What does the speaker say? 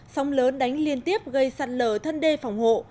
sóng lớn đánh liên tiếp gây sạt lở thân đê phòng hộ